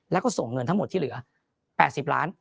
แล้วก็ส่งเงินทั้งหมดที่เหลือ๘๐ล้าน